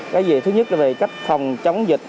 cái gì thứ nhất là về cách phòng chống dịch